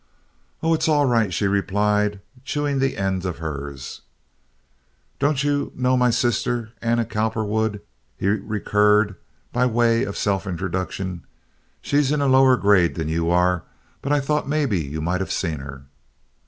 "Oh, it's all right," she replied, chewing the end of hers. "Don't you know my sister, Anna Cowperwood?" he recurred, by way of self introduction. "She's in a lower grade than you are, but I thought maybe you might have seen her."